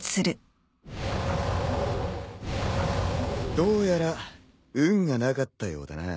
どうやら運がなかったようだな。